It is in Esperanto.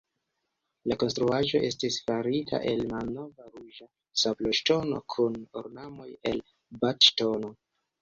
La konstruaĵo estis farita el malnova ruĝa sabloŝtono, kun ornamoj el Bath-Ŝtono.